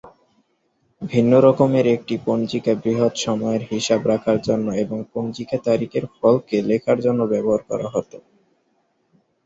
ভিন্ন রকমের একটি পঞ্জিকা বৃহৎ সময়ের হিসাব রাখার জন্য এবং পঞ্জিকা তারিখের ফলকে লেখার জন্য ব্যবহার করা হতো।